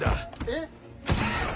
えっ？